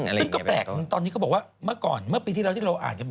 ซึ่งก็แปลกเหมือนตอนนี้เขาบอกว่าเมื่อก่อนเมื่อปีที่แล้วที่เราอ่านกันมา